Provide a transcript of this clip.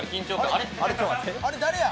あれ、誰や？